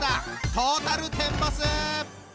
トータルテンボス！